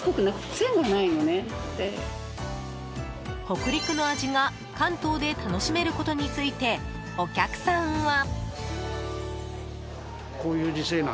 北陸の味が関東で楽しめることについてお客さんは。